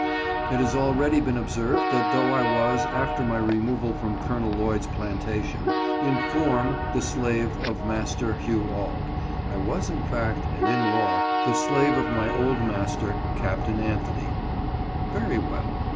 It has already been observed that though I was, after my removal from Col. Lloyd's plantation, in form the slave of Master Hugh Auld, I was in fact and in law the slave of my old master, Capt. Anthony. Very well.